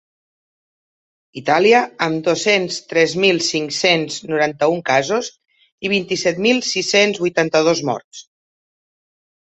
Itàlia, amb dos-cents tres mil cinc-cents noranta-un casos i vint-i-set mil sis-cents vuitanta-dos morts.